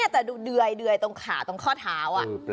แต่ดูเดือยตรงขาตรงข้อเท้า